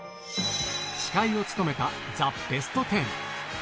司会を務めたザ・ベストテン。